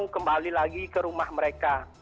kembali lagi ke rumah mereka